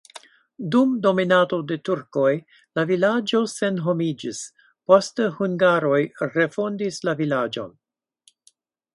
Dum dominado de turkoj la vilaĝo senhomiĝis, poste hungaroj refondis la vilaĝon.